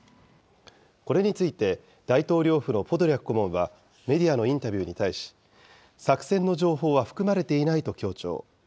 これについて、大統領府のポドリャク顧問はメディアのインタビューに対し、作戦の情報は含まれていないと強調。